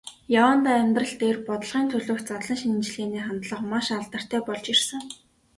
Яваандаа амьдрал дээр, бодлогын төлөөх задлан шинжилгээний хандлага маш алдартай болж ирсэн.